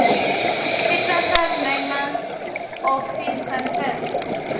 Hitler served nine months of his sentence.